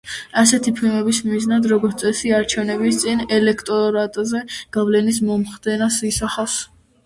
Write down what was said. ასეთი ფილმები მიზნად, როგორც წესი, არჩევნების წინ ელექტორატზე გავლენის მოხდენას ისახავს.